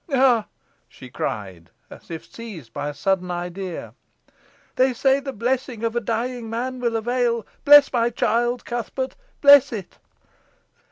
Ha!" she cried, as if seized by a sudden idea, "they say the blessing of a dying man will avail. Bless my child, Cuthbert, bless it!"